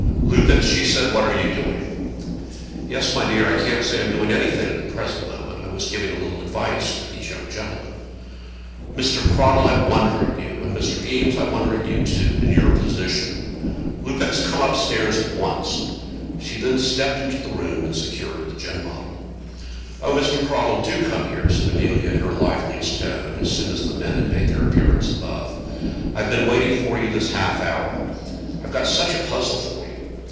"Lupex," she said, "what are you doing?" "Yes, my dear. I can't say I'm doing anything at the present moment. I was giving a little advice to these young gentlemen." "Mr. Cradell, I wonder at you. And, Mr. Eames, I wonder at you, too, in your position! Lupex, come upstairs at once." She then stepped into the room and secured the gin bottle. "Oh, Mr. Cradell, do come here," said Amelia, in her liveliest tone, as soon as the men made their appearance above. "I've been waiting for you this half hour. I've got such a puzzle for you."